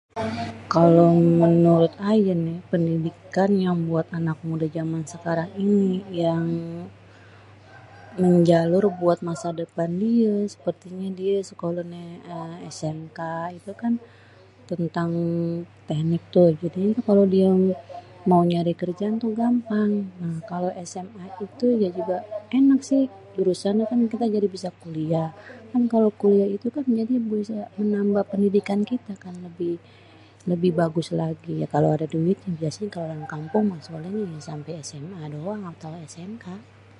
kalo menurut ayé nih pendidikan yang buat anak-anak mudé jaman sekarang ini yang menjalur buat masa depan diê sepertinyê nêh diê sekoléh smk itukan tentang tehnik tu jadinyê kan diê mau nyari kerjaan gampang kalo sma itu sama jurusannyê juga enak si jadi kita bisa kuliah kan kalo kuliag itu bisa menambah pendidikankita yang lebih lebih bagus lagi kalo adê duit mah biasenyê orang kampung sekolehnyê sma doang atau smk.